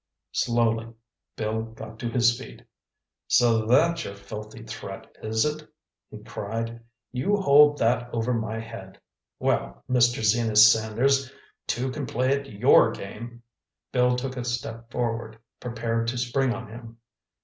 Slowly Bill got to his feet. "So that's your filthy threat, is it?" he cried. "You hold that over my head. Well, Mr. Zenas Sanders, two can play at your game!" Bill took a step forward, prepared to spring on him.